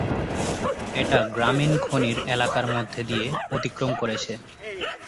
এটা গ্রামীণ খনির এলাকার মধ্যে দিয়ে অতিক্রম করেছে।